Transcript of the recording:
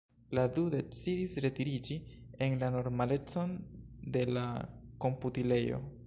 La du decidis retiriĝi en la normalecon de la komputilejo.